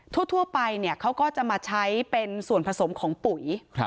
ทั่วไปเขาก็จะมาใช้เป็นส่วนผสมของปุ๋ย